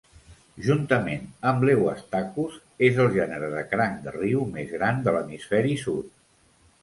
Juntament amb l'"Euastacus", és el gènere de cranc de riu més gran de l'hemisferi sud.